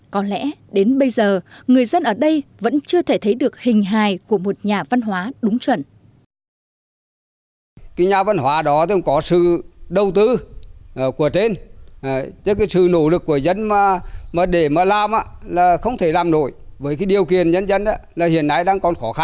có lẽ đến bây giờ người dân ở đây vẫn chưa thể thấy được hình hài của một nhà văn hóa đúng chuẩn